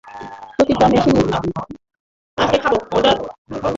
প্রতিটা মিশনেই নিজস্ব কিছু ঝুঁকি রয়েছে।